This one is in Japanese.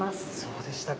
そうでしたか。